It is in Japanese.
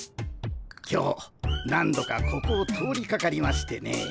今日何度かここを通りかかりましてね。